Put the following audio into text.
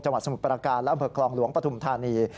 จังหวัดสมุทรประการและอำเภอกลองหลวงปฐมธานี